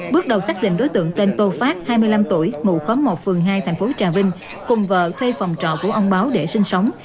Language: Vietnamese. bước đầu xác định đối tượng tên tô phát hai mươi năm tuổi ngụ khóm một phường hai thành phố trà vinh cùng vợ thuê phòng trọ của ông báo để sinh sống